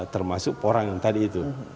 termasuk orang yang tadi itu